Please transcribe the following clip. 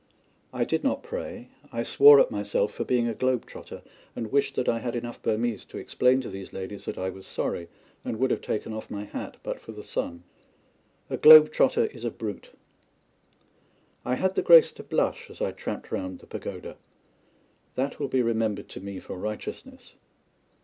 I did not pray I swore at myself for being a Globe trotter, and wished that I had enough Burmese to explain to these ladies that I was sorry and would have taken off my hat but for the sun. A Globe trotter is a brute. I had the grace to blush as I tramped round the pagoda. That will be remembered to me for righteousness.